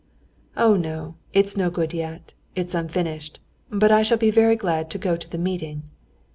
"Oh, no! It's no good yet, it's unfinished. But I shall be very glad to go to the meeting."